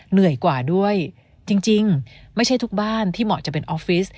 เหนื่อยกว่าด้วยจริงไม่ใช่ทุกบ้านที่เหมาะจะเป็นออฟฟิศ